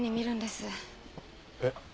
えっ？